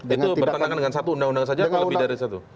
itu bertentangan dengan satu undang undang saja atau lebih dari satu